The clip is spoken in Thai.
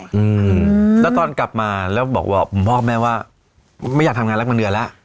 ใช่แล้วตอนกลับมาแล้วบอกว่าคุณพ่อกับแม่ว่าไม่อยากทำงานละกมันเดือนแล้ว